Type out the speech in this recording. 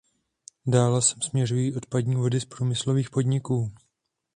Dále sem směřují odpadní vody z průmyslových podniků.